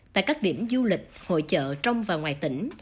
tại các điểm du lịch hội chợ trong và ngoài tỉnh